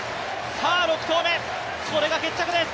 さあ６投目、これが決着です。